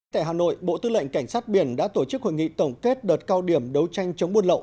tại hà nội bộ tư lệnh cảnh sát biển đã tổ chức hội nghị tổng kết đợt cao điểm đấu tranh chống buôn lậu